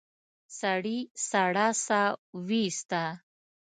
سړي سړه سا ويسته.